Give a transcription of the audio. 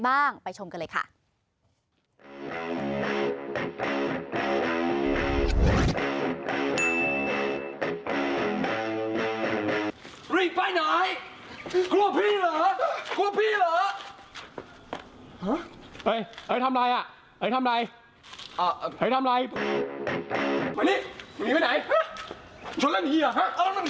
ไปนี่ไปไหนไปไหน